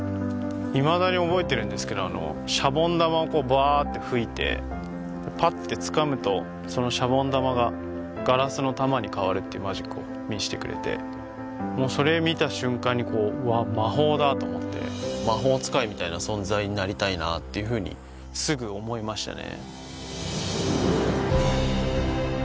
いまだに覚えているんですけどシャボン玉をバーッて吹いてパッてつかむとそのシャボン玉がガラスの玉に変わるっていうマジックを見してくれてもうそれ見た瞬間にわっ魔法だと思って魔法使いみたいな存在になりたいなっていうふうにすぐ思いましたね